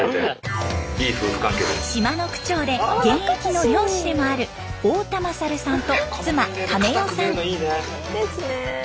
島の区長で現役の漁師でもある大田勝さんと妻カメ代さん。